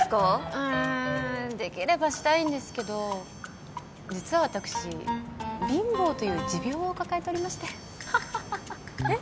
うーんできればしたいんですけど実は私貧乏という持病を抱えておりましてハハハハえっ？